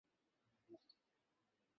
আমাকে তাড়াতাড়ি বন্ধ করতে হবে।